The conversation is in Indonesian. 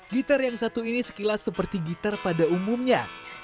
gitar yang satu ini sekilas seperti gitar pada umumnya